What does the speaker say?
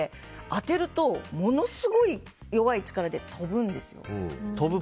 当てると、ものすごい弱い力で飛ぶんですよ。